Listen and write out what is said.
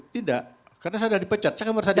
tidak karena saya sudah dipecat